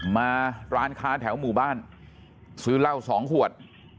มาร้านค้าแถวหมู่บ้านซื้อเหล้า๒ขวด